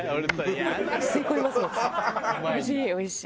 おいしいおいしい。